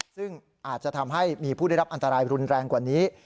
ซึ่งอาจจะทำให้มีผู้ได้รับอันตรายรุนแรงกว่านี้